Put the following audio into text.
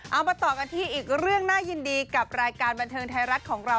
เอามาต่อกันที่อีกเรื่องน่ายินดีกับรายการบันเทิงไทยรัฐของเรา